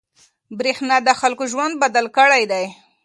برېښنا د خلکو ژوند بدل کړی دی.